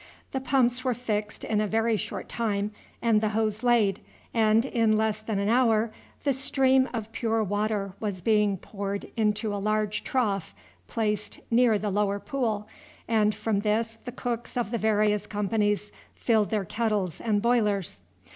The pumps were fixed in a very short time and the hose laid, and in less than an hour the stream of pure water was being poured into a large trough placed near the lower pool, and from this the cooks of the various companies filled their kettles and boilers.